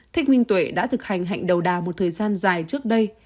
thích minh tuệ đã thực hành hạnh đầu đà một thời gian dài trước đây